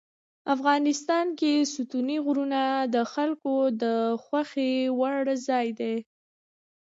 افغانستان کې ستوني غرونه د خلکو د خوښې وړ ځای دی.